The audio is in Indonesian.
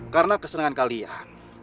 karena kesenangan kalian